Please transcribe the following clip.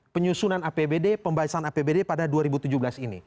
penyusunan apbd pembahasan apbd pada dua ribu tujuh belas ini